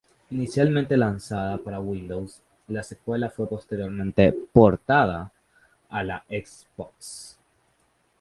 Inicialmente lanzada para Windows, la secuela fue posteriormente portada a la Xbox.